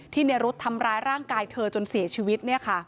ในรุ๊ดทำร้ายร่างกายเธอจนเสียชีวิต